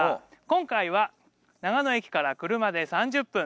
今回は長野駅から車で３０分